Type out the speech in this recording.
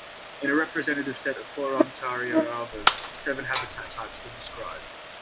In a representative set of four Ontario alvars, seven habitat types were described.